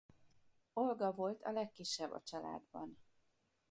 Olga volt a legkisebb a családban.